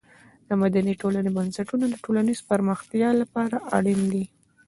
د مدني ټولنې بنسټونه د ټولنیزې پرمختیا لپاره اړین دي.